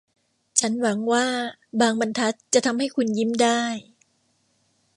ฉันหวังว่าบางบรรทัดจะทำให้คุณยิ้มได้